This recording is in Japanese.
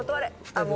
あっもう。